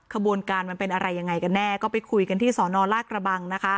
ขบวนการมันเป็นอะไรยังไงกันแน่ก็ไปคุยกันที่สอนอลากระบังนะคะ